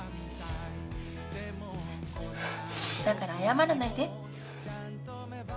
だから謝らないで。